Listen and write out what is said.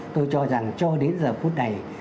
tôi cho rằng cho đến giờ phút này